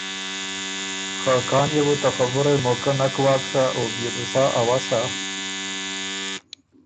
خه کان يې بو ته خبُرئ موقع نک واک سَۀ او بيې بُو سا اؤسا